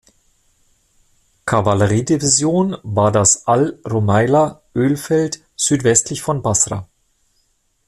Kavalleriedivision war das Al-Rumaylah-Ölfeld südwestlich von Basra.